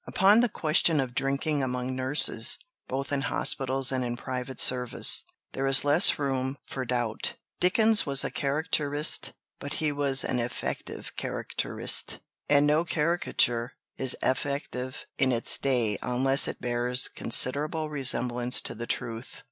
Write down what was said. Upon the question of drinking among nurses, both in hospitals and in private service, there is less room for doubt. Dickens was a caricaturist, but he was an effective caricaturist; and no caricature is effective in its day unless it bears considerable resemblance to the truth.